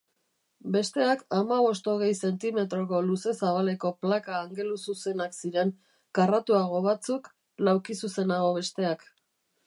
Besteak hamabost-hogei zentimetroko luze-zabaleko plaka angeluzuzenak ziren, karratuago batzuk, laukizuzenago besteak.